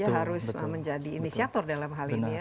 harus menjadi inisiator dalam hal ini ya